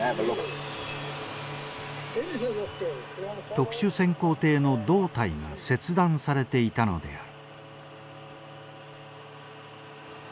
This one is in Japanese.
特殊潜航艇の胴体が切断されていたのである。